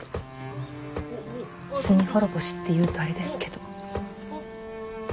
罪滅ぼしって言うとあれですけど。